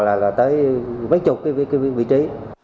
là tới mấy chục vị trí